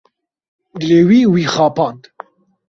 Dilê wî, wî xapand.